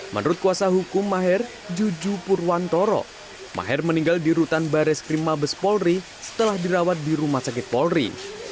menurut kuasa hukum maher jujupurwantoro maher meninggal di rutan bares krimabes polri setelah dirawat di rumah sakit polri